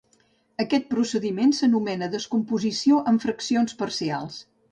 Aquest procediment s'anomena descomposició en fraccions parcials.